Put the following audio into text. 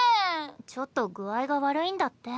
ちょっと具合が悪いんだって。